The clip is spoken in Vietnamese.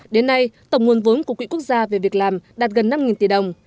đến nay tổng nguồn vốn của quỹ quốc gia về việc làm đạt gần năm tỷ đồng